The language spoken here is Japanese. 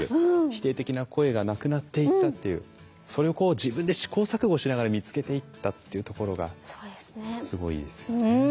否定的な声がなくなっていったっていうそれをこう自分で試行錯誤しながら見つけていったっていうところがすごいいいですよね。